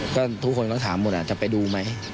ก็ทุกคนเขาถามหมดจะไปดูไหม